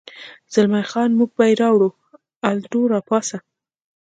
زلمی خان: موږ به یې راوړو، الډو، را پاڅه.